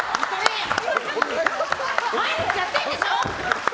毎日やってんでしょ！